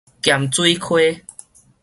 鹹水溪